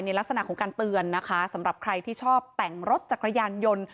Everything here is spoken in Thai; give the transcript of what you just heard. ลักษณะของการเตือนนะคะสำหรับใครที่ชอบแต่งรถจักรยานยนต์